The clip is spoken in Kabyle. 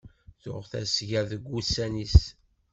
Tuɣ tasga deg ussan-is.